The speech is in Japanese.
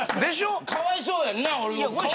かわいそうやんな。